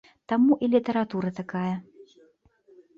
Таму і літаратура такая.